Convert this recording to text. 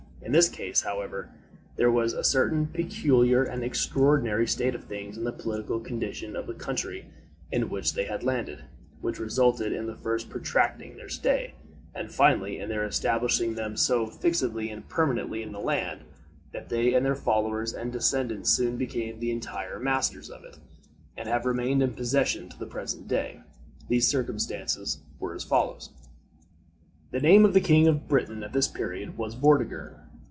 In this case, however, there was a certain peculiar and extraordinary state of things in the political condition of the country in which they had landed, which resulted in first protracting their stay, and finally in establishing them so fixedly and permanently in the land, that they and their followers and descendants soon became the entire masters of it, and have remained in possession to the present day. These circumstances were as follows: The name of the king of Britain at this period was Vortigern.